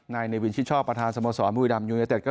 นายเนวิชช่อประธานสมสมมุยดำยูเนยเต็ด